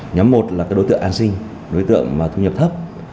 nhóm một là cái đối tượng an sinh đối tượng thu nhập thấp